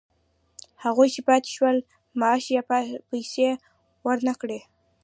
هغوی چې پاتې شول معاش یا پیسې ورنه کړل شوې